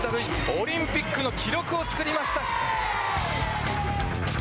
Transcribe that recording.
オリンピックの記録を作りました。